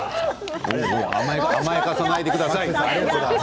甘やかさないでください！